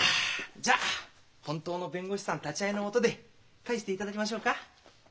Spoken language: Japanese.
じゃあ本当の弁護士さん立ち会いの下で返していただきましょうか。